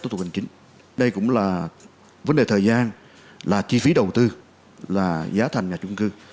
tổ chức hành chính đây cũng là vấn đề thời gian là chi phí đầu tư là giá thành nhà chung cư